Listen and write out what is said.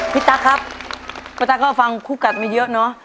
ตั๊กครับพี่ตั๊กก็ฟังคู่กัดมาเยอะเนอะ